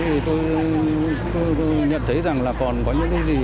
thì tôi nhận thấy rằng là còn có những cái gì